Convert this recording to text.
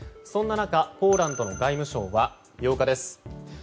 そんな中、ポーランドの外務省は８日です。